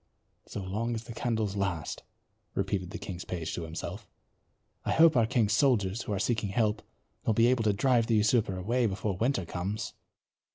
"So long as the candles last," repeated the king's page to himself. "I hope our king's soldiers, who are seeking help, will be able to drive the usurper away before winter comes."